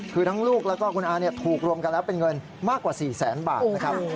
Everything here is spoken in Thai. คือทั้งลูกแล้วก็คุณอาถูกรวมกันแล้วเป็นเงินมากกว่า๔แสนบาทนะครับ